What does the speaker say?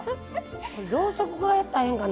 ろうそく加えたらええんかな。